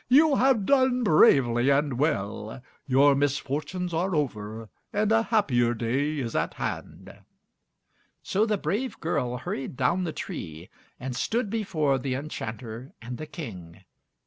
"You have done bravely and well. Your misfortunes are over, and a happier day is at hand." So the brave girl hurried down the tree, and stood before the enchanter and the King.